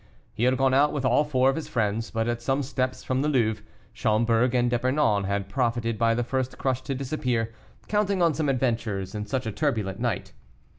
He had gone out with all four of his friends, but, at some steps from the Louvre, Schomberg and D'Epernon had profited by the first crush to disappear, counting on some adventures in such a turbulent night.